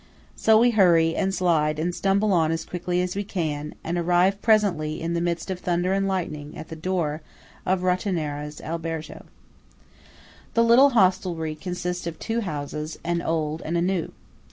So we hurry, and slide, and stumble on as quickly as we can, and arrive presently in the midst of thunder and lightning at the door of Rottenara's albergo. The little hostelry consists of two houses, an old and a new.